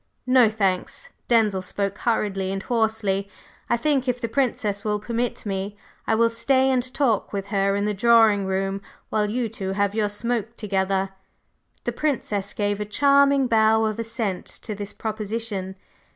"No, thanks!" Denzil spoke hurriedly and hoarsely. "I think if the Princess will permit me I will stay and talk with her in the drawing room while you two have your smoke together." The Princess gave a charming bow of assent to this proposition.